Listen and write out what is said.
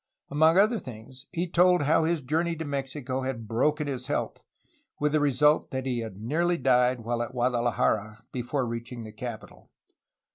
Among other things he told how his journey to Mexico had broken his health, with the result that he had nearly died while at Guadalajara before reaching the capital.